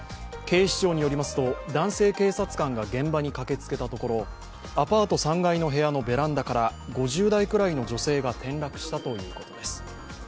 警視庁によりますと男性警察官が現場に駆けつけたところアパート３階の部屋のベランダから５０代くらいの女性が転落したということです。